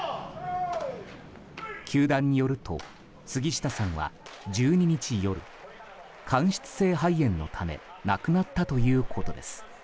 球団によると杉下さんは１２日夜間質性肺炎のため亡くなったということです。